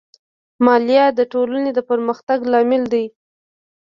مالیه د ټولنې د پرمختګ لامل دی.